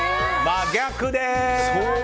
真逆です！